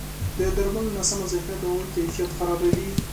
د درملو نه سمه ذخیره د هغوی کیفیت خرابوي.